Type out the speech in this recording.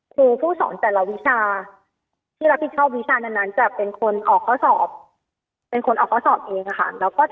ครูผู้สอนแต่ละวิชา